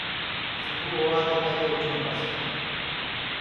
سبو هووآ دي پيلي اُٺڻو پڙسيٚ